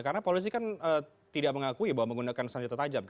karena polisi kan tidak mengakui bahwa menggunakan senjata tajam